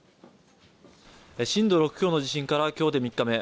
震度６強の地震から今日で３日目。